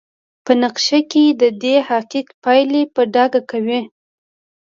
په نقشه کې ددې حقیق پایلې په ډاګه کوي.